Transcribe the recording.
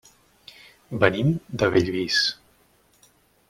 Venim de Bellvís.